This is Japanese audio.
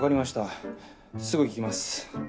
すぐ行きます。